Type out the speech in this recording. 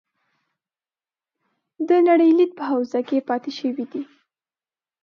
د نړۍ لید په حوزه کې پاتې شوي دي.